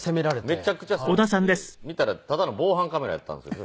めちゃくちゃ責めて見たらただの防犯カメラやったんですよ